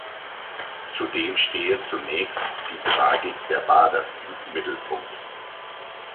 Zudem stehe zunächst die Tragik der Baders im Mittelpunkt.